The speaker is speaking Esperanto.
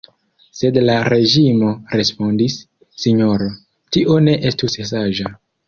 Sed la reĝino respondis: Sinjoro, tio ne estus saĝa.